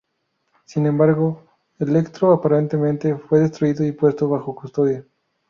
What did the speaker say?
Sin embargo, Electro aparentemente fue destituido y puesto bajo custodia.